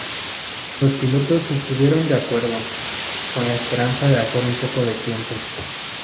Los pilotos estuvieron de acuerdo, con la esperanza de hacer un poco de tiempo.